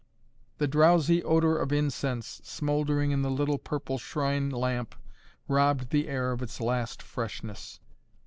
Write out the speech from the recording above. The drowsy odor of incense, smouldering in the little purple shrine lamp, robbed the air of its last freshness.